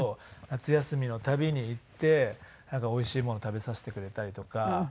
夏休みの度に行っておいしいものを食べさせてくれたりとか。